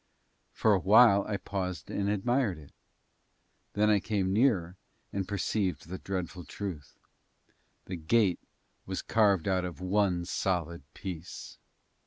For a while I paused and admired it, then I came nearer and perceived the dreadful truth. The gate was carved out of one solid piece!